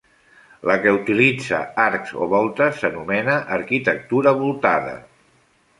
La que utilitza arcs o voltes s'anomena arquitectura voltada.